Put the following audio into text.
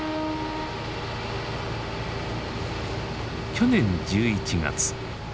去年１１月。